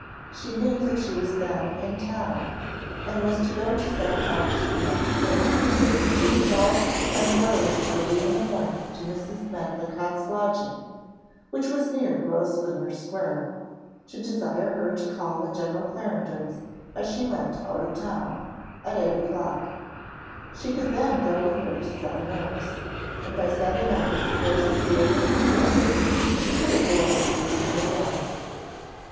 She knew that she was then in town, and was to go to Seven Oaks the next day; she resolved to send Rose early in the morning to Mrs. Medlicott's lodging, which was near Grosvenor Square, to desire her to call at General Clarendon's as she went out of town, at eight o'clock. She could then go with her to Seven Oaks; and, by setting out before Cecilia could be up, she should avoid seeing her again.